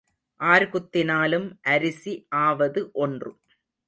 R குத்தினாலும் அரிசி ஆவது ஒன்று.